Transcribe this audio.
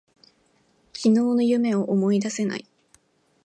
昨日の夢を思い出せない。